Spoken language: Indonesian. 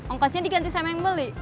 ongkosnya diganti sama yang beli